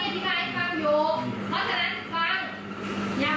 หยุดแล้วนี่คือตกแล้วแต่ถ้าแม่พูดอีกคำหนึ่ง